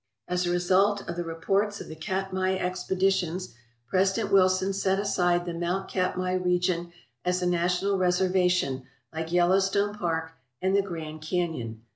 As a result of the reports of the Katmai expeditions, THE ALEUTIAN ISLANDS President Wilson set aside the Mount Katmai region as a national reservation like Yellowstone Park and the Grand Canyon.